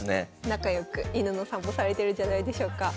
仲良く犬の散歩されてるんじゃないでしょうか。